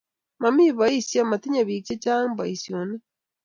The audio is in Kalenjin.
mamii boisie, matinyei biik che chang' boisionik